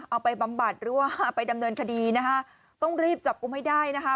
บำบัดหรือว่าไปดำเนินคดีนะคะต้องรีบจับกุมให้ได้นะคะ